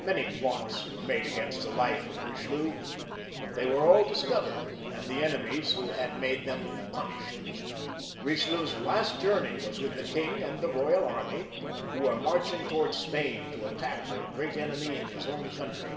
Many plots were made against the life of Eichelieu, but they were all discovered, and the enemies who had made them punished. EicheUeu's last journey was with the king and the royal army, who were marching towards Spain to attack their great enemy iu his own country.